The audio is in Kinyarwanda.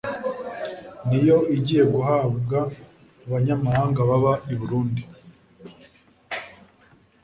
ni yo igiye guhabwa abanyamahanga baba i Burundi